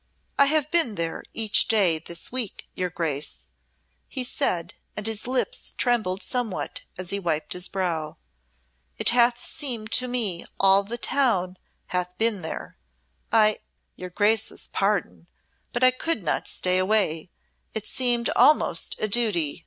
"I have been there each day this week, your Grace," he said, and his lips trembled somewhat as he wiped his brow. "It hath seemed to me all the town hath been there. I your Grace's pardon but I could not stay away; it seemed almost a duty.